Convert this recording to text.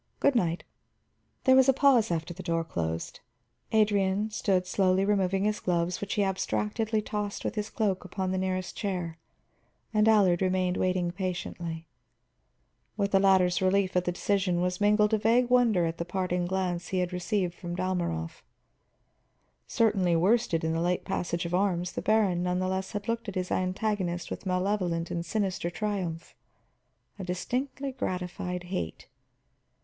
Good night." There was a pause after the door closed. Adrian stood slowly removing his gloves, which he abstractedly tossed with his cloak upon the nearest chair, and Allard remained waiting patiently. With the latter's relief at the decision was mingled a vague wonder at the parting glance he had received from Dalmorov. Certainly worsted in the late passage of arms, the baron nevertheless had looked at his antagonist with malevolent and sinister triumph, a distinctly gratified hate.